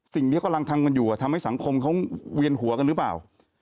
สิ่งนี้กำลังทำกันอยู่ทำให้สังคมเขาเวียนหัวกันหรือเปล่า